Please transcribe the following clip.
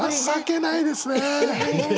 情けないですね。